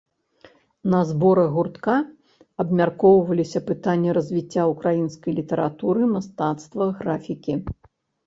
На зборах гуртка абмяркоўваліся пытанні развіцця ўкраінскай літаратуры, мастацтва, графікі.